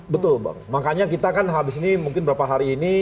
betul bang makanya kita kan habis ini mungkin beberapa hari ini